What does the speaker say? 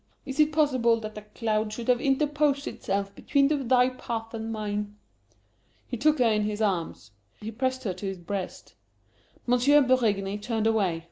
Is it possible that a cloud should have interposed itself between thy path and mine?" He took her in his arms. He pressed her to his breast. M. Berigny turned away.